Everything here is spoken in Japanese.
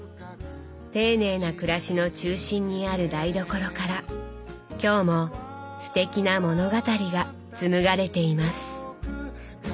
丁寧な暮らしの中心にある台所から今日もすてきな物語が紡がれています。